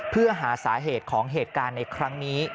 เพื่อหาสาเหตุของเหตุการณ์ในครั้งนี้